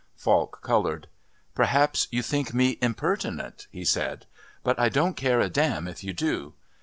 Falk coloured. "Perhaps you think me impertinent," he said. "But I don't care a damn if you do.